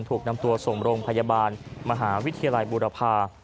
ถูกนำตัวส่งโรงพยาบาลมหาวิทยาลัยบุรพา